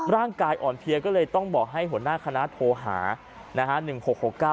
ร่างกายอ่อนเพลียก็เลยต้องบอกให้หัวหน้าคณะโทรหานะฮะ